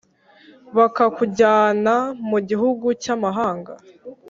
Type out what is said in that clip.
bakakujyana mu gihugu cy amahanga